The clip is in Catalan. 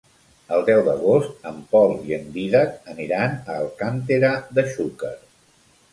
El deu d'agost en Pol i en Dídac aniran a Alcàntera de Xúquer.